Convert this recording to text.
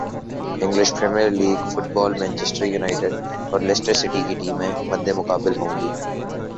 English premiere league football Manchester United اور Leicester City کی ٹیمیں مدمقابل ہونگی